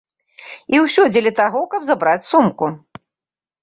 І ўсё дзеля таго, каб забраць сумку.